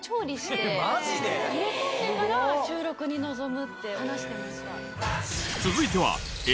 入れ込んでから収録に臨むって話してました。